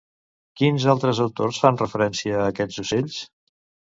Quins altres autors fan referència a aquests ocells?